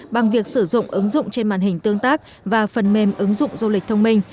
bằng việc sử dụng ứng dụng trên màn hình tương tác và phần mềm ứng dụng du lịch thông minh